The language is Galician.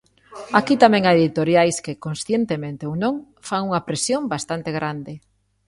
Aquí tamén hai editoriais que, conscientemente ou non, fan unha presión bastante grande.